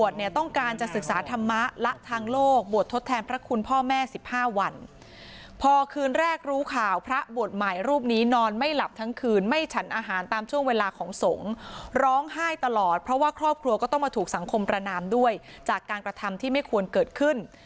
เนี่ยตลอดเพราะว่าครอบครัวก็ต้องมาถูกสังคมประนามด้วยจากการกระทำที่ไม่ควรเกิดขึ้น